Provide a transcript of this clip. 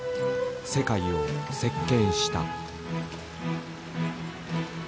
世界を席けんした。